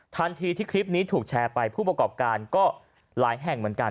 ทันทีที่คลิปนี้ถูกแชร์ไปผู้ประกอบการก็หลายแห่งเหมือนกัน